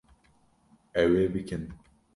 Ew ê bikin